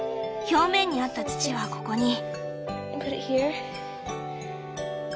表面にあった土はここに。